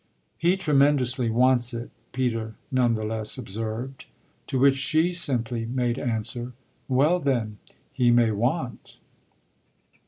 "He tremendously wants it," Peter none the less observed; to which she simply made answer, "Well then, he may want!"